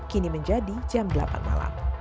kini menjadi jam delapan malam